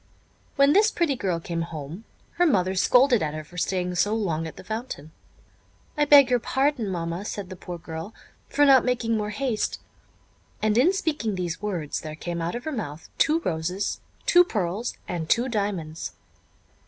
When this pretty girl came home, her mother scolded at her for staying so long at the fountain. "I beg your pardon, mamma," said the poor girl, "for not making more haste," and, in speaking these words, there came out of her mouth two roses, two pearls, and two diamonds.